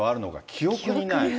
記憶にない。